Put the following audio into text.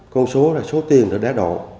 con số là số tiền đã đổ